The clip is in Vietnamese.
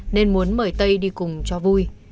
nên muốn mời tây đi cùng cho vui